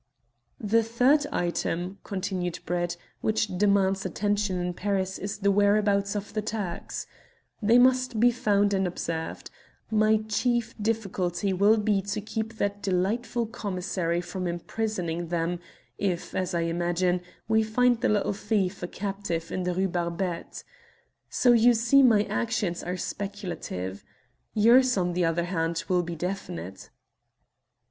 "The third item," continued Brett, "which demands attention in Paris is the whereabouts of the Turks. They must be found and observed. My chief difficulty will be to keep that delightful commissary from imprisoning them, if, as I imagine, we find the little thief a captive in the Rue Barbette. So you see my actions are speculative. Yours, on the other hand, will be definite."